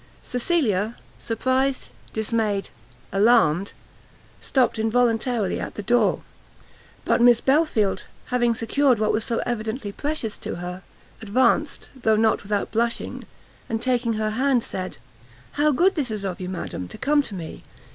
Cecilia, surprised, dismayed, alarmed, stopt involuntarily at the door; but Miss Belfield, having secured what was so evidently precious to her, advanced, though not without blushing, and taking her hand, said "How good this is of you, madam, to come to me!